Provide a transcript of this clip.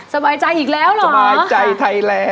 สบายใจอีกแล้วเหรอสบายใจไทยแล้ว